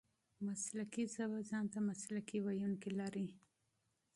مسلکي ژبه ځان ته مسلکي وییونه لري.